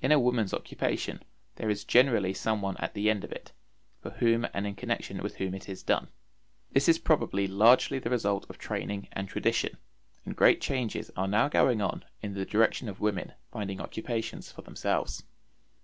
In a woman's occupation, there is generally someone at the end of it, for whom and in connection with whom it is done. This is probably largely the result of training and tradition, and great changes are now going on in the direction of women finding occupations for themselves.